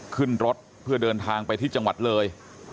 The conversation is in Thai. ขึ้นรถเพื่อเดินทางไปที่จังหวัดเลย